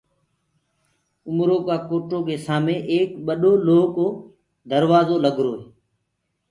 اُمرو ڪوٽو سآمي ايڪ ٻڏو لوه ڪو دروآجو لگروئي